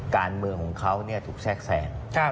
การเมืองของเขาถูกแทรกแสง